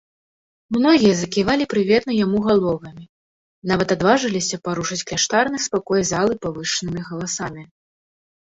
Многія заківалі прыветна яму галовамі, нават адважыліся парушыць кляштарны спакой залы павышанымі галасамі.